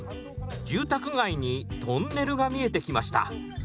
住宅街にトンネルが見えてきました。